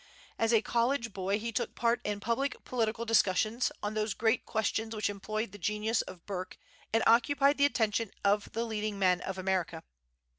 As a college boy he took part in public political discussions on those great questions which employed the genius of Burke, and occupied the attention of the leading men of America.